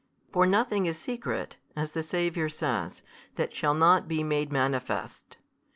For nothing is secret, as the Saviour says, that shall not be made manifest.